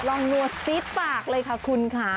นัวซีดปากเลยค่ะคุณค่ะ